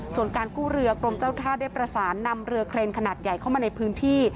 ส่วนการกู้เรือกรมเจ้าท่าได้ประสานนำเรือเครนขนาดใหญ่เข้ามาในพื้นที่